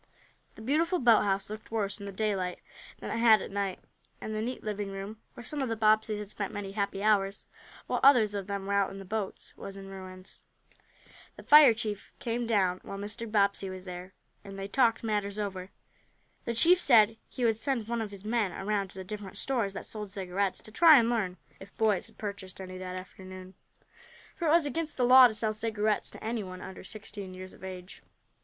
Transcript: The beautiful boathouse looked worse in the daylight than it had at night, and the neat living room, where some of the Bobbseys had spent many happy hours, while others of them were out in the boats, was in ruins. The fire chief came down while Mr. Bobbsey was there, and they talked matters over. The chief said he would send one of his men around to the different stores that sold cigarettes, to try and learn if boys had purchased any that afternoon, for it was against the law to sell cigarettes to anyone under sixteen years of age.